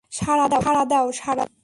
সাড়া দাও, সাড়া দাও।